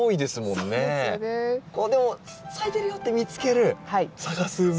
でも咲いてるよって見つける探すウメ。